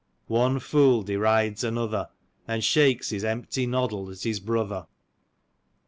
" One fool derides another, And shakes his empty noddle at his brother."